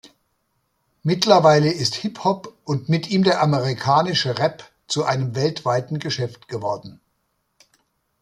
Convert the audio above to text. Mittlerweile ist Hip-Hop und mit ihm der amerikanische Rap zu einem weltweiten Geschäft geworden.